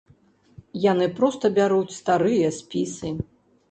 Яны проста бяруць старыя спісы.